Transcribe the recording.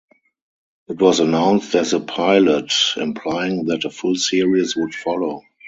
It was announced as a pilot, implying that a full series would follow.